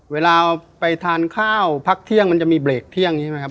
เวลาไปทานข้าวพักเที่ยงมันจะมีเบรกเที่ยงใช่ไหมครับ